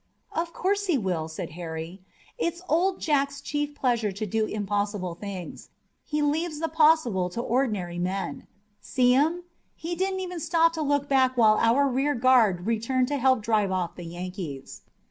"Of course he will," said Harry. "It's Old Jack's chief pleasure to do impossible things. He leaves the possible to ordinary men. See him. He didn't even stop to look back while our rear guard returned to help drive off the Yankees."